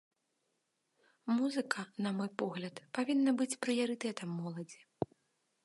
Музыка, на мой погляд, павінна быць прыярытэтам моладзі.